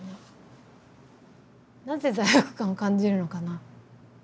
なぜ罪悪感を感じるのかな。